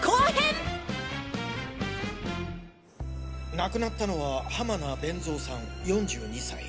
亡くなったのは浜名勉造さん４２歳。